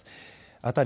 辺り